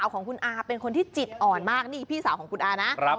ของคุณอาเป็นคนที่จิตอ่อนมากนี่พี่สาวของคุณอานะ